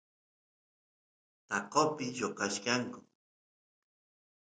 taqopi lloqachkanku